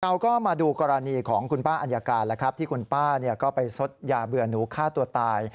มาดูกรณีของคุณป้าอัญญาการแล้วครับที่คุณป้าก็ไปซดยาเบื่อหนูฆ่าตัวตาย